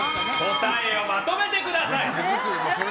答えをまとめてください！